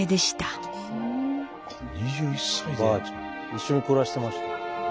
一緒に暮らしてました。